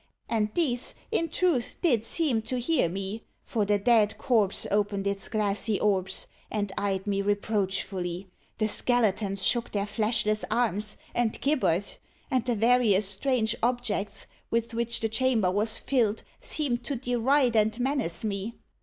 And these, in truth, did seem to hear me; for the dead corpse opened its glassy orbs, and eyed me reproachfully; the skeletons shook their fleshless arms and gibbered; and the various strange objects, with which the chamber was filled, seemed to deride and menace me.